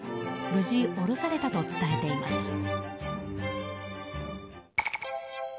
無事、下ろされたと伝えています。